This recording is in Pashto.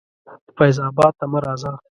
فیض آباد ته مه راځه.